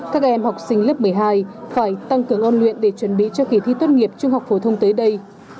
các em học sinh lớp một mươi hai phải tăng cường ôn luyện để chuẩn bị cho kỳ thi tốt nghiệp trung học phổ thông tới đây